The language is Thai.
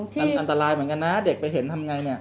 มันอันตรายเหมือนกันนะเด็กไปเห็นทำไงเนี่ย